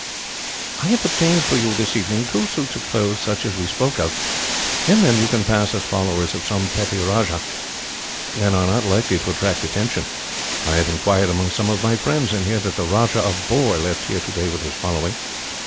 "I have obtained for you, this evening, two suits of clothes such as we spoke of. In them you can pass as followers of some petty rajah, and are not likely to attract attention. I have inquired among some of my friends, and hear that the Rajah of Bohr left here today with his following.